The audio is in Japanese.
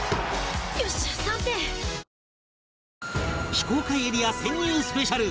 非公開エリア潜入スペシャル